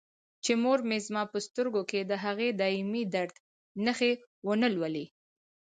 چې مور مې زما په سترګو کې د هغه دایمي درد نښې ونه لولي.